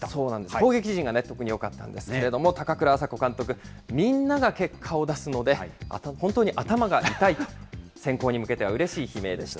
攻撃陣が特によかったんですけれども、高倉麻子監督、みんなが結果を出すので、本当に頭が痛いと、選考に向けてはうれしい悲鳴でした。